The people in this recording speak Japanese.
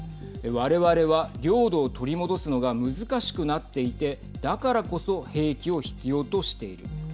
われわれは領土を取り戻すのが難しくなっていてだからこそ兵器を必要としている。